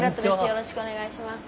よろしくお願いします。